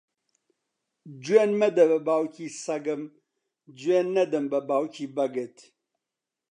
جوێن مەدە بە باوکی سەگم، جوێن نەدەم بە باوکی بەگت.